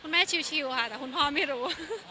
คุณแม่เชียวแต่คุณพ่อไม่รู้